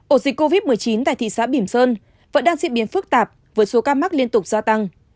ổ dịch covid một mươi chín tại thị xã bỉm sơn vẫn đang diễn biến phức tạp với số ca mắc liên tục gia tăng